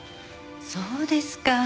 そうですか。